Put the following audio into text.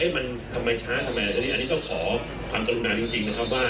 เอ๊ะมันทำไมช้าทำไมอันนี้ต้องขอคำจำนานจริงนะครับว่า